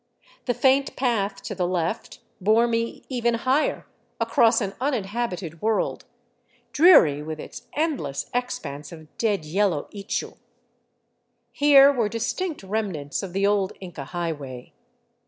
The faint path to the left bore me even higher across an uninhabited world, dreary with its endless ex panse of dead yellow ichu. Here were distinct remnants of the old Inca highway.